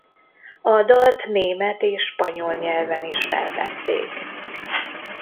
A dalt német és spanyol nyelven is felvették.